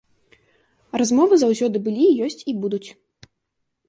Размовы заўсёды былі, ёсць і будуць.